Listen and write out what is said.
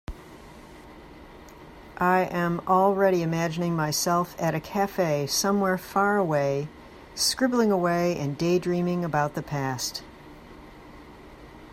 I am already imagining myself at a cafe somewhere far away, scribbling away and daydreaming about the past.